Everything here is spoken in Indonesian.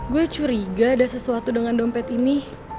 gue curiga ada sesuatu dengan dompet ini